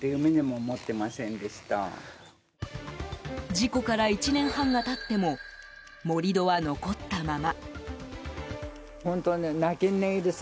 事故から１年半が経っても盛り土は残ったまま。